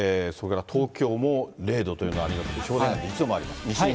それから東京も０度というのがあります。